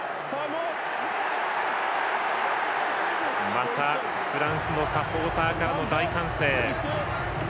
また、フランスのサポーターからの大歓声。